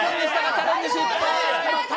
チャレンジ失敗。